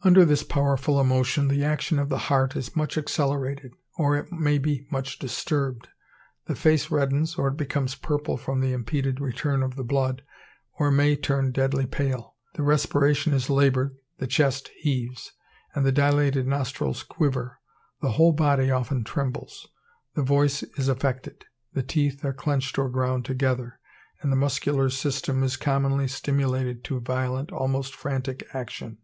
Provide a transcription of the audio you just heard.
Under this powerful emotion the action of the heart is much accelerated, or it may be much disturbed. The face reddens, or it becomes purple from the impeded return of the blood, or may turn deadly pale. The respiration is laboured, the chest heaves, and the dilated nostrils quiver. The whole body often trembles. The voice is affected. The teeth are clenched or ground together, and the muscular system is commonly stimulated to violent, almost frantic action.